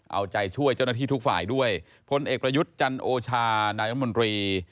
เอาใจช่วยเจ้าหน้าที่ทุกฝ่ายด้วยพลเอกประยุทธ์จันโอชานายรัฐมนตรี